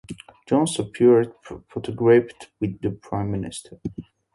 Jones appeared photographed with the Prime Minister.